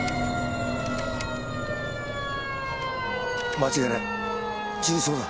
間違いない銃創だ。